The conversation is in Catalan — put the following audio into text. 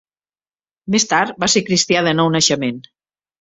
Més tard va ser cristià de nou naixement.